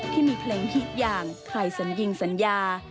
ที่มีเพลงฮิตอย่างไครสัญญิงสัญญา